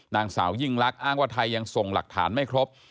นางสาวยิ่งลักษณ์อ้างว่าไทยยังส่งหลักฐานไม่ครบ